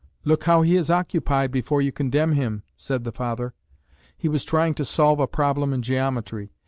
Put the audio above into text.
"Look how he is occupied before you condemn him," said the father. He was trying to solve a problem in geometry.